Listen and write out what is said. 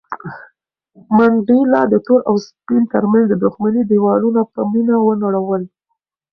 منډېلا د تور او سپین تر منځ د دښمنۍ دېوالونه په مینه ونړول.